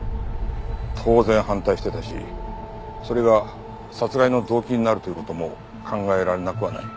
当然反対してたしそれが殺害の動機になるという事も考えられなくはない。